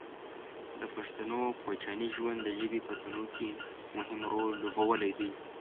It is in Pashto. د پښتنو کوچیاني ژوند د ژبې په تنوع کې مهم رول لوبولی دی.